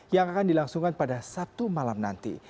yang akan dilangsungkan pada sabtu malam nanti